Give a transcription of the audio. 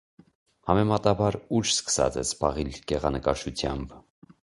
Համեմատաբար ուշ սկսած է զբաղիլ գեղանկարչութեամբ։